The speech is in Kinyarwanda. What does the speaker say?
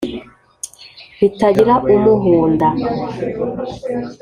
ritagira umuhunda